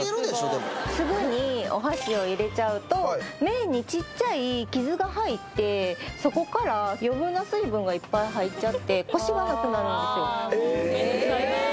でもすぐにお箸を入れちゃうと麺にちっちゃい傷が入ってそこから余分な水分がいっぱい入っちゃってコシがなくなるんですよええー！？